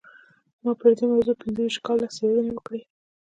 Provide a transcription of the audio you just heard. ما پر دې موضوع پينځه ويشت کاله څېړنې وکړې.